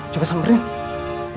tadi suara dari situ